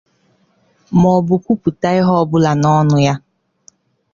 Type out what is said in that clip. maọbụa kwupụta ihe ọbụla n'ọnụ ya